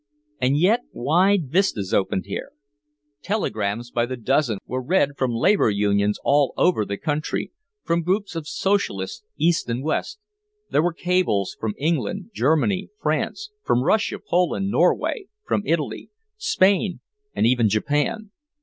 And yet wide vistas opened here. Telegrams by the dozen were read from labor unions all over the country, from groups of socialists East and West, there were cables from England, Germany, France, from Russia, Poland, Norway, from Italy, Spain and even Japan.